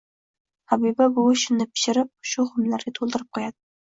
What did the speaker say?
Habiba buvi shinni pishirib shu xumlarga to‘ldirib qo‘yadi.